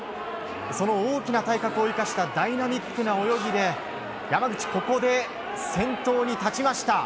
その大きな体格を生かしたダイナミックな泳ぎで山口、ここで先頭に立ちました。